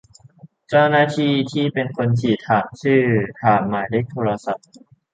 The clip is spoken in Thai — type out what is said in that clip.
เจ้าหน้าที่ที่เป็นคนฉีด ถามชื่อ ถามหมายเลขโทรศัพท์